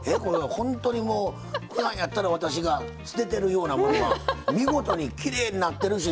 ほんとにもうふだんやったら私が捨ててるようなものが見事にきれいになってるし。